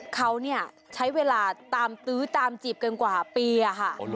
เขาเนี่ยใช้เวลาตามตื้อตามจีบกันกว่าปีอะค่ะ